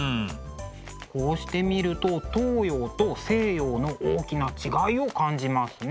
こうして見ると東洋と西洋の大きな違いを感じますね。